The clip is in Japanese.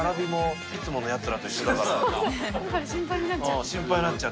だから心配になっちゃう。